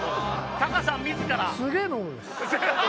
タカさん自ら。